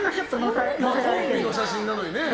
コンビの写真なのにね。